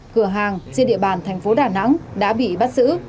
cửa hàng trên địa bàn thành phố đà nẵng đã bị bắt giữ